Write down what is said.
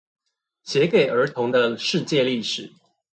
寫給兒童的世界歷史